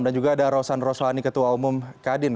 dan juga ada rosan roswani ketua umum kadin